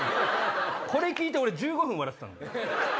これ聞いて俺１５分笑ってたの。